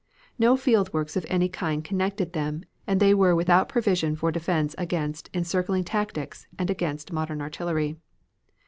No field works of any kind connected them and they were without provision for defense against encircling tactics and against modern artillery.